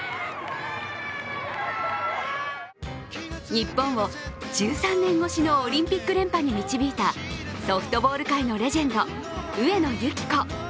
日本を１３年越しのオリンピック連覇に導いたソフトボール界のレジェンド・上野由岐子。